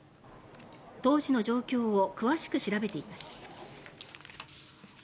当時の状況を詳しく調べています。